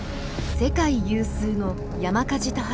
世界有数の山火事多発